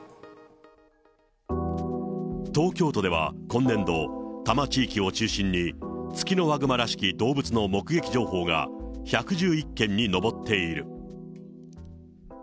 東京都では今年度、多摩地域を中心にツキノワグマらしき動物の目撃情報が１１１件に上っている。